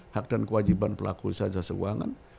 hak dan kewajiban pelaku sahaja sekeuangan